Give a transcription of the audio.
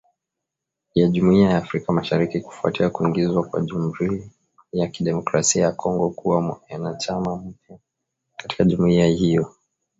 ya Jumuiya ya Afrika Mashariki kufuatia kuingizwa kwa Jamhuri ya Kidemokrasi ya Kongo kuwa mwanachama mpya katika jumuiya hiyo